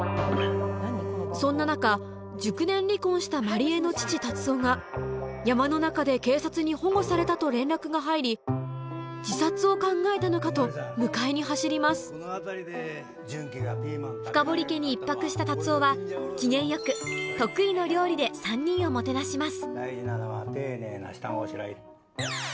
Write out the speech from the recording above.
そんな中熟年離婚した万里江の父・達男が山の中で警察に保護されたと連絡が入り自殺を考えたのかと迎えに走ります深堀家に１泊した達男は機嫌よくしていきます